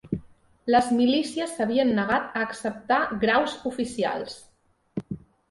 Les milícies s'havien negat a acceptar graus oficials